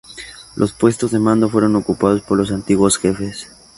Los puestos de mando fueron ocupados por los antiguos jefes.